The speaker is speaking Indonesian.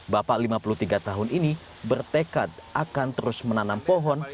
bapak lima puluh tiga tahun ini bertekad akan terus menanam pohon